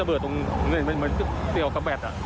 นับเบิร์ดตรงนี้มันเกี่ยวกับแบต